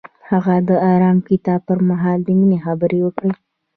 هغه د آرام کتاب پر مهال د مینې خبرې وکړې.